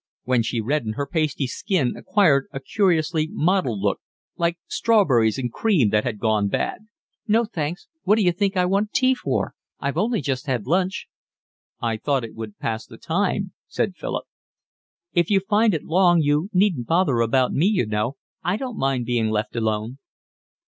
When she reddened her pasty skin acquired a curiously mottled look, like strawberries and cream that had gone bad. "No, thanks. What d'you think I want tea for? I've only just had lunch." "I thought it would pass the time," said Philip. "If you find it long you needn't bother about me, you know. I don't mind being left alone."